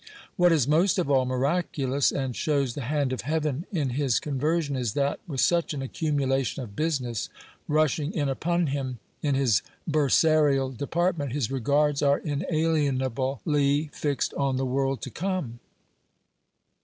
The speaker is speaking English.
What is most of all miraculous, and shews the hand of heaven in his conversion, is that, with such an accumulation of business rushing in upon him in his bursarial department, his regards are inalienably fixed on the world to come.